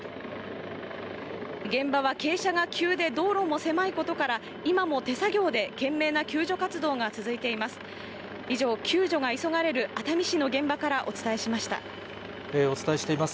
現場は傾斜が急で道路も狭いことから、今も手作業で懸命な救助活動が続いています。